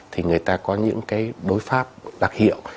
thì người ta có những cái đối pháp đặc hiệu